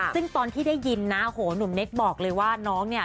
ซึ่งตอนที่ได้ยินนะโหหนุ่มเน็กบอกเลยว่าน้องเนี่ย